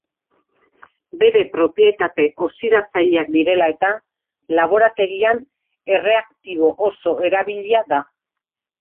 Bere propietate oxidatzaileak direla eta, laborategian erreaktibo oso erabilia da.